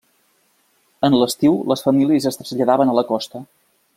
En l'estiu, les famílies es traslladaven a la costa.